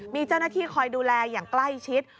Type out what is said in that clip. มีเจ้าหน้าที่คอยดูแลอย่างใกล้ชิด